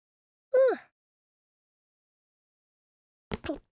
うん？